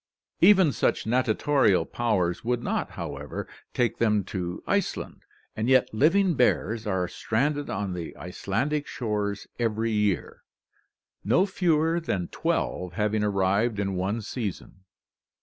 Even such natatorial powers would not, however, take them to Iceland, and yet living bears are stranded on the Icelandic shores every year, no fewer than twelve having arrived in one season.